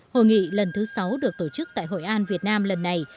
hội nghị lần thứ sáu được tổ chức tại hội an việt nam lần này